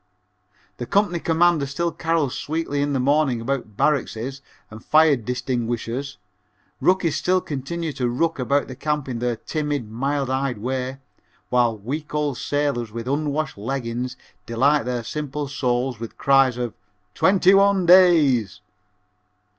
The company commander still carols sweetly in the morning about "barrackses" and fire "distinguishers," rookies still continue to rook about the camp in their timid, mild eyed way, while week old sailors with unwashed leggins delight their simple souls with cries of 'twenty one days.'